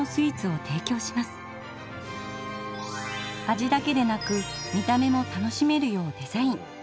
味だけでなく見た目も楽しめるようデザイン。